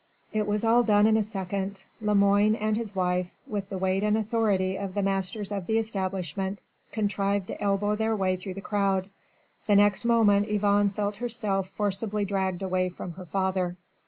It was all done in a second. Lemoine and his wife, with the weight and authority of the masters of the establishment, contrived to elbow their way through the crowd. The next moment Yvonne felt herself forcibly dragged away from her father.